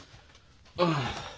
ああ。